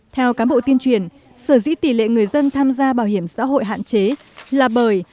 theo cán bộ tuyên truyền sở dĩ tỷ lệ người dân tham gia bảo hiểm xã hội hạn chế là bởi